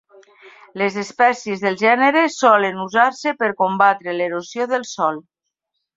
Les espècies del gènere solen usar-se per combatre l'erosió del sòl.